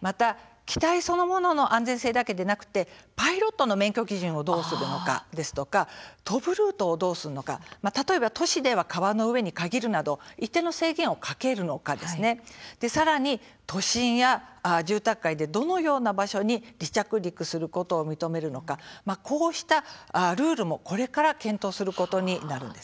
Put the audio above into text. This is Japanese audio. また機体そのものの安全性だけではなくてパイロットの免許基準をどうするのかですとか飛ぶルートをどうするのか例えば都市では川の上に限るなど一定の制限をかけるのかさらに都心や住宅街でどのような場所に離着陸することを認めるのかこうしたルールもこれから検討することになるんです。